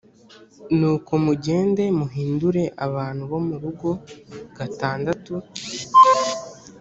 nuko mugende muhindure abantu bo murugo gatandatu